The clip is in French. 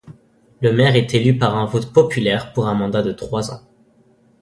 Le maire est élu par un vote populaire pour un mandat de trois ans.